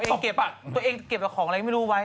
ตัวเองเก็บที่ก็เก็บแบบของอะไรก็ไม่ค่อยรู้ไว้